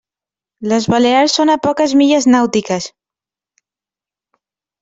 Les Balears són a poques milles nàutiques.